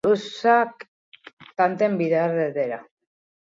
Birusak tanten bidez hedatzen dira.